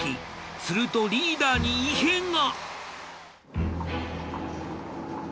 するとリーダーに異変が。